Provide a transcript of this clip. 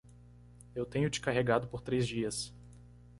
Eu tenho te carregado por três dias.